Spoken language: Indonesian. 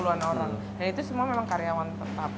dua puluh an orang dan itu semua memang karyawan tetap